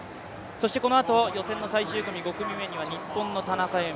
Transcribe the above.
このあと、予選の最終組５組目には日本の田中佑美。